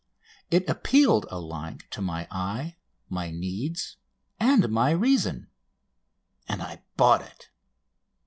It appealed alike to my eye, my needs, and my reason, and I bought it.